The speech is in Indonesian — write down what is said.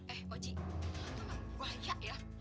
eh oji lo emang berbohong ya